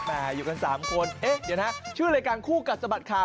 อยู่กัน๓คนเอ๊ะเดี๋ยวนะชื่อรายการคู่กัดสะบัดข่าว